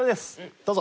どうぞ！